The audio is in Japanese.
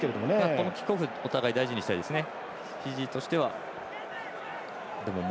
このキックオフお互いに大事にしたいですね。